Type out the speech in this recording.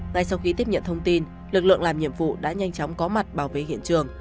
ngay sau khi tiếp nhận thông tin lực lượng làm nhiệm vụ đã nhanh chóng có mặt bảo vệ hiện trường